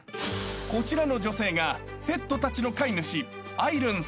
［こちらの女性がペットたちの飼い主］